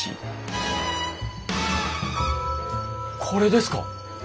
これですか！？